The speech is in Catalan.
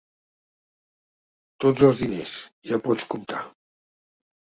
Tots els diners, ja pots comptar.